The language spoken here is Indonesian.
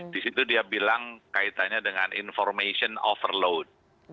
di situ dia bilang kaitannya dengan information overload